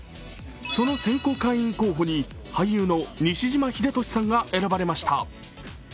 その選考会員候補に俳優の西島秀俊さんが選ばれました。